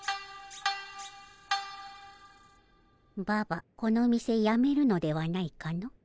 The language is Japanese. ババこの店やめるのではないかの？